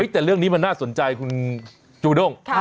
แต่เรื่องนี้มันน่าสนใจคุณจูด้ง